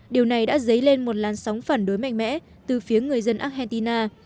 điều này đã dấy lên một làn sóng phản đối mạnh mẽ từ phía người dân argentina